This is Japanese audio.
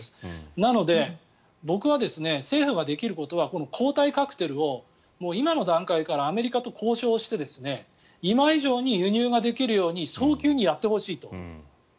なので、僕は政府ができることはこの抗体カクテルをもう今の段階からアメリカと交渉して今以上に輸入ができるように早急にやってほしいと。